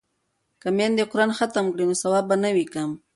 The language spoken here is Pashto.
که میندې قران ختم کړي نو ثواب به نه وي کم.